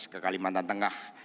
ke kalimantan tengah